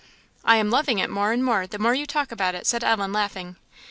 "I am loving it more and more, the more you talk about it," said Ellen, laughing.